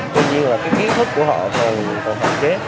tuy nhiên là kỹ thức của họ còn phản chế